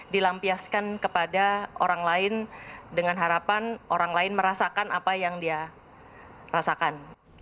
dilampiaskan kepada orang lain dengan harapan orang lain merasakan apa yang dia rasakan